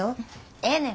ええねん。